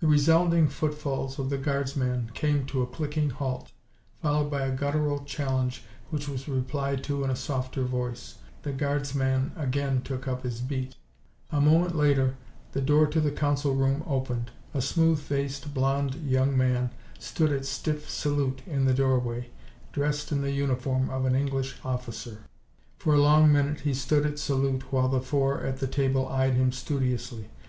The resounding footfalls of the guardsman came to a clicking halt, followed by a guttural challenge which was replied to in a softer voice. The guardsman again took up his beat. A moment later the door to the council room opened. A smooth faced, blond young man stood at stiff salute in the doorway dressed in the uniform of an English officer! For a long minute he stood at salute while the four at the table eyed him studiously.